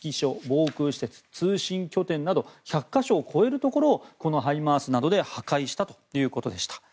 防空施設、通信拠点など１００か所を超えるところをこのハイマースなどで破壊したということでした。